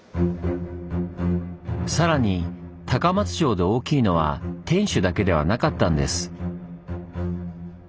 さらに高松城で大きいのは天守だけではなかったんです。